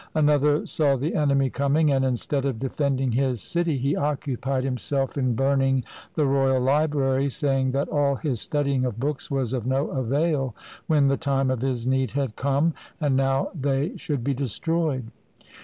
Another saw the enemy coming, and instead of defending his city, he occupied him self in burning the royal library, saying that all his studying of books was of no avail when the time of his need had come, and now they should be destroyed.